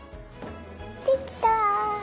できた！